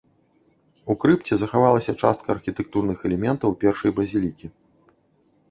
У крыпце захавалася частка архітэктурных элементаў першай базілікі.